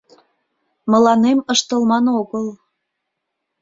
Мыланем ыштылман огыл.